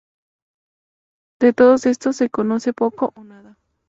De todos estos, se conoce poco o nada.